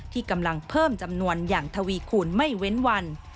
ที่กำลังเพิ่มจำนวนอย่างทวีคูณไม่เว้นวัน